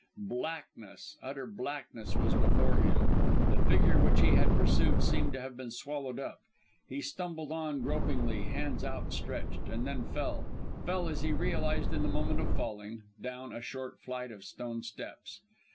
Blackness, utter blackness, was before him. The figure which he had pursued seemed to have been swallowed up. He stumbled on, gropingly, hands outstretched, then fell fell, as he realised in the moment of falling, down a short flight of stone steps.